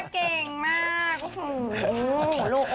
เก่งมาก